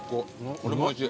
これもおいしい。